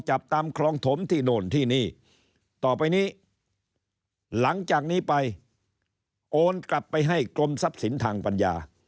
จับตามคลองถมที่โน่นที่นี่ต่อไปนี้หลังจากนี้ไปโอนกลับไปให้กรมทรัพย์สินทางปัญญา